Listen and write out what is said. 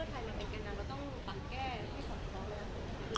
มันจะแก้หรือไม่แก้